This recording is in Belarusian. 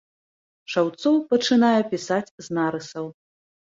Шаўцоў пачынае пісаць з нарысаў.